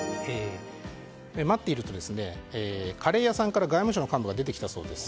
待っていると、カレー屋さんから外務省の幹部が出てきたそうです。